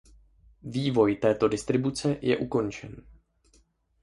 Vývoj této distribuce je ukončen.